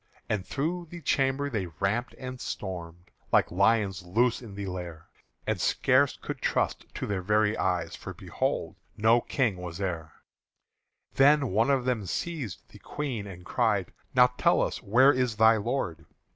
And through the chamber they ramped and stormed Like lions loose in the lair, And scarce could trust to their very eyes For behold! no King was there. Then one of them seized the Queen, and cried, "Now tells us, where is thy lord?"